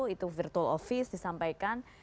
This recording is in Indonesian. itu virtual office disampaikan